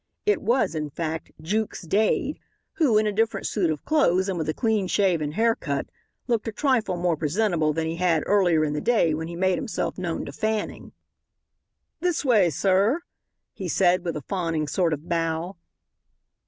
It was, in fact, Jukes Dade, who, in a different suit of clothes and with a clean shave and haircut, looked a trifle more presentable than he had earlier in the day when he made himself known to Fanning. "This way, sir," he said, with a fawning sort of bow.